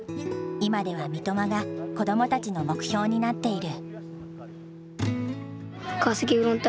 今では三笘が子どもたちの目標になっている。